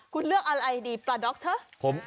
คุณเลือกอะไรดีปลาด๊อกเถอะ